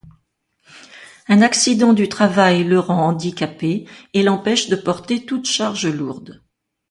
Un accident du travail le rend handicapé et l'empêche de porter toute charge lourde.